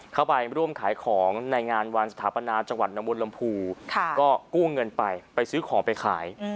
เข้าไปร่วมขายของในงานวันสถาปนาจังหวัดนมุนลำพูก็กู้เงินไปไปซื้อของไปขาย